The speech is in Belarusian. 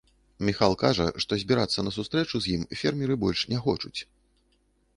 Міхаіл кажа, што збірацца на сустрэчу з ім фермеры больш не хочуць.